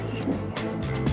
aku mau berjalan